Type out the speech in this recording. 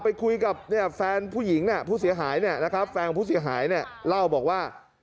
ไปคุยกับแฟนผู้หญิงนะในว่า